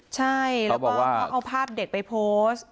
ใช่แล้วก็เขาเอาภาพเด็กไปโพสต์